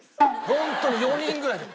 ホントに４人ぐらいで。